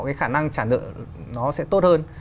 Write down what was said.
cái khả năng trả nợ nó sẽ tốt hơn